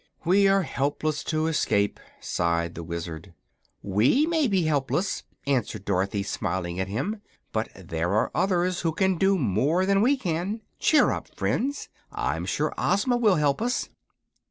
"We are helpless to escape," sighed the Wizard. "We may be helpless," answered Dorothy, smiling at him, "but there are others who can do more than we can. Cheer up, friends. I'm sure Ozma will help us."